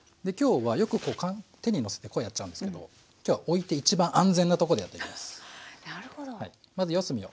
で今日はよくこう手にのせてこうやっちゃうんですけど今日は置いて一番安全なところでやっていきます。